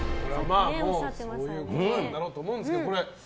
そういうことなんだろうと思うんですが。